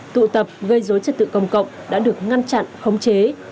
tụ tập gây dối trật tự công cộng đã được ngăn chặn khống chế